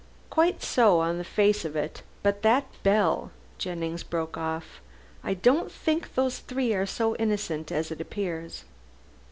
"Quite so, on the face of it. But that bell " Jennings broke off. "I don't think those three are so innocent as appears.